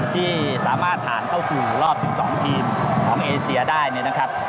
ที่สามารถผ่านเข้าสู่รอบ๑๒ทีมของเอเซียได้